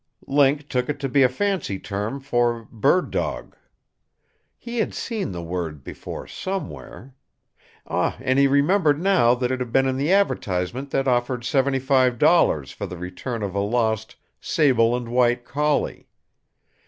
Link took it to be a fancy term for "bird dog." He had seen the word before somewhere. And he remembered now that it had been in the advertisement that offered seventy five dollars for the return of a lost "sable and white collie."